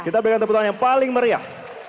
kita berikan tepuk tangan yang paling meriah